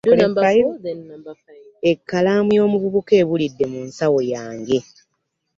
Ekkalaamu y'omuvubuka ebulidde munsawo yange.